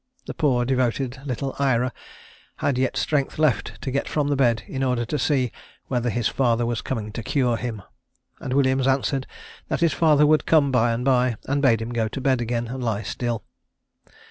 The poor devoted little Ira had yet strength left to get from the bed, in order to see "whether his father was coming to cure him;" and Williams answered that his father would come by and by, and bade him go to bed again and lie still.